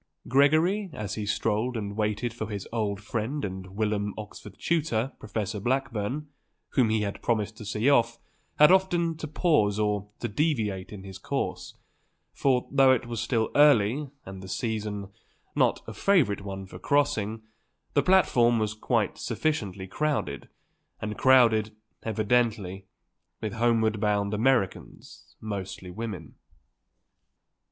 Gregory, as he strolled and waited for his old friend and whilom Oxford tutor, Professor Blackburn, whom he had promised to see off, had often to pause or to deviate in his course; for, though it was still early, and the season not a favourite one for crossing, the platform was quite sufficiently crowded, and crowded, evidently, with homeward bound Americans, mostly women.